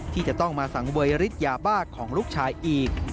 ที่จะต้องมาสังเวยฤทธิ์ยาบ้าของลูกชายอีก